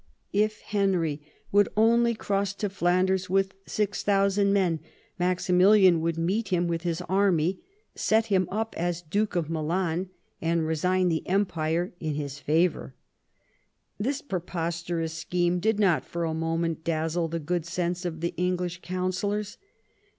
If Henry would only cross to Flanders with 6000 men, Maximilian would meet him with his army, set him up as Duke of Milan, and resign the Empire in his favour. This preposterous scheme did not for a moment dazzle the good sense of the English counsellors.